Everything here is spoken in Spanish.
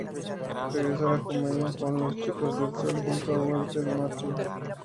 Regresó a la comedia con "Los Chicos del Sol" junto a Walter Matthau.